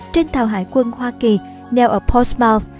trên thảo hải quân hoa kỳ nèo ở portsmouth